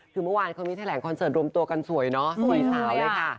คือเมื่อวานเขามีแถลงคอนเสิร์ตรวมตัวกันสวยเนอะสวยสาวเลยค่ะ